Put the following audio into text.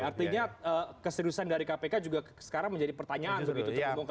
artinya keseriusan dari kpk juga sekarang menjadi pertanyaan begitu